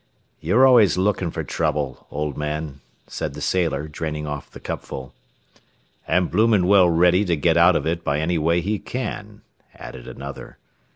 "You're always lookin' fer trouble, old man," said the sailor, draining off the cupful. "An' bloomin' well ready to get out of it by any way he can," added another.